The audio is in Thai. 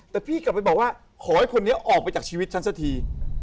แต่พี่กลับไปบอกว่าขอให้คนนี้ออกไปจากชีวิตฉันสักที